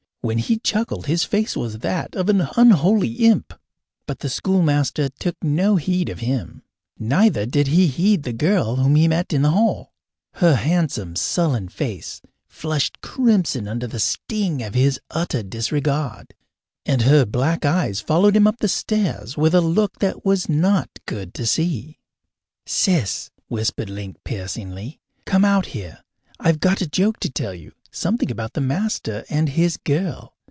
When he chuckled his face was that of an unholy imp. But the schoolmaster took no heed of him. Neither did he heed the girl whom he met in the hall. Her handsome, sullen face flushed crimson under the sting of his utter disregard, and her black eyes followed him up the stairs with a look that was not good to see. "Sis," whispered Link piercingly, "come out here! I've got a joke to tell you, something about the master and his girl.